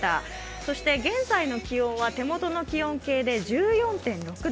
そして現在の気温は手元の気温計で１４．６度。